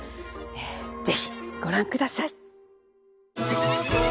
ぜひご覧ください。